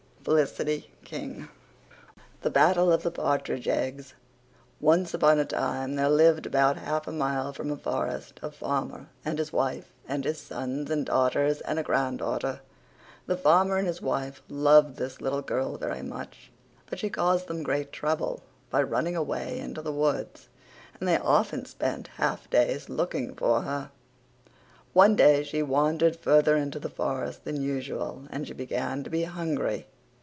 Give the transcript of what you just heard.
FELICITY KING. THE BATTLE OF THE PARTRIDGE EGGS Once upon a time there lived about half a mile from a forrest a farmer and his wife and his sons and daughters and a granddaughter. The farmer and his wife loved this little girl very much but she caused them great trouble by running away into the woods and they often spent haf days looking for her. One day she wondered further into the forrest than usual and she begun to be hungry.